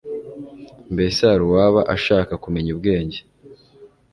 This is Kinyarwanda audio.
mbese hari uwaba ashaka kumenya ubwenge